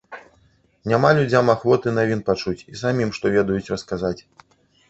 Няма людзям ахвоты навін пачуць і самым, што ведаюць, расказаць.